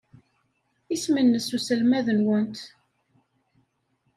Isem-nnes uselmad-nwent?